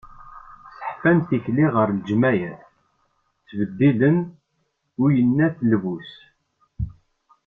Sseḥfan tikli ɣer leğmayat, ttbeddilen i uyennat lbus.